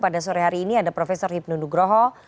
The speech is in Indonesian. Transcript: pada sore hari ini ada prof hipnudugroho